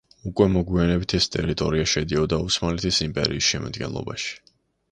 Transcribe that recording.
უკვე მოგვიანებით ეს ტერიტორია შედიოდა ოსმალეთის იმპერიის შემადგენლობაში.